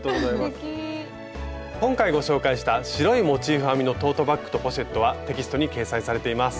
今回ご紹介した「白いモチーフ編みのトートバッグとポシェット」はテキストに掲載されています。